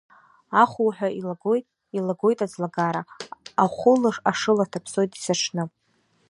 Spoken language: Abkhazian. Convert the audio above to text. Ахуҳәа илагоит, илагоит аӡлагара, ахәыла ашыла ҭаԥсоит есыҽны.